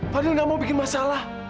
fadil nggak mau bikin masalah